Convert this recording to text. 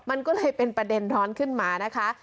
มันก็เลยเป็นประเด็นร้อนขึ้นมานะคะ